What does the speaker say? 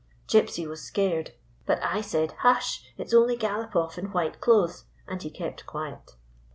Gypsy was scared, but I said, 1 Hush ! It 's only Galopoff in white clothes/ and he kept quiet."